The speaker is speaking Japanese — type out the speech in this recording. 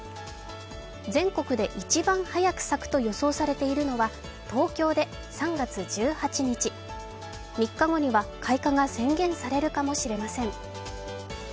全国で一番早く咲くと予想されているのは東京で３月１８日、３日後には開花が宣言されるかもしれません。